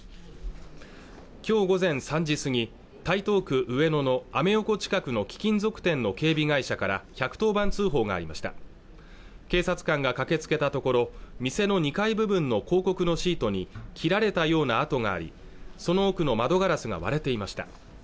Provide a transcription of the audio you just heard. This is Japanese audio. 今日午前３時過ぎ台東区上野のアメ横近くの貴金属店の警備会社から１１０番通報がありました警察官が駆けつけたところ店の２階部分の広告のシートに切られたような跡がありその奥の窓ガラスが割れていました